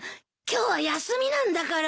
今日は休みなんだから。